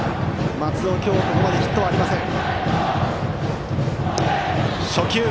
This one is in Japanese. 松尾は今日ここまでヒットはありません。